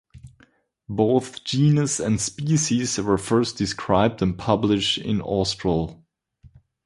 Both genus and species were first described and published in Austral.